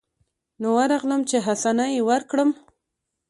نو ورغلم چې حسنه يې وركړم.